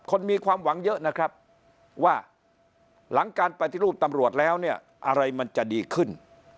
มีความหวังเยอะนะครับว่าหลังการปฏิรูปตำรวจแล้วเนี่ยอะไรมันจะดีขึ้น